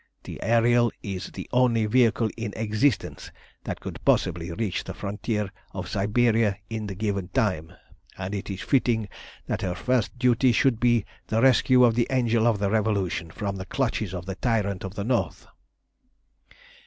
The Ariel is the only vehicle in existence that could possibly reach the frontier of Siberia in the given time, and it is fitting that her first duty should be the rescue of the Angel of the Revolution from the clutches of the Tyrant of the North.